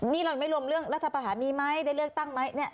นี่เราไม่รวมเรื่องรัฐประหารมีไหมได้เลือกตั้งไหม